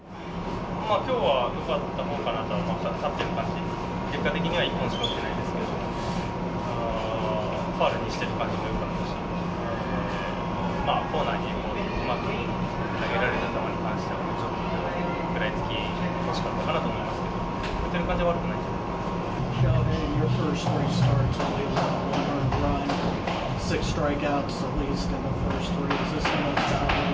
きょうはよかったほうかなとは思って、勝ってよかったし、結果的には１本しか打ってないんですけれども、ファウルにしている感じもよかったし、コーナーにもうまく投げられた球に関しては、うまく食らいつけなかったかと思いますけど、感じは悪くないんじゃないかと思います。